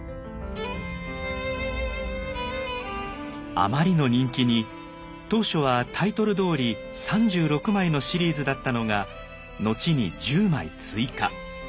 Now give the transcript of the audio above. あまりの人気に当初はタイトルどおり３６枚のシリーズだったのが後に１０枚追加。